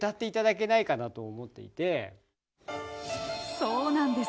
そうなんです！